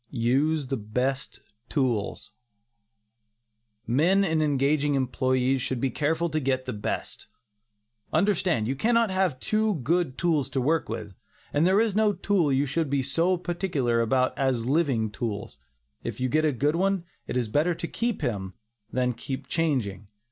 USE THE BEST TOOLS. Men in engaging employees should be careful to get the best. Understand, you cannot have too good tools to work with, and there is no tool you should be so particular about as living tools. If you get a good one, it is better to keep him, than keep changing.